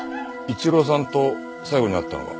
一郎さんと最後に会ったのは？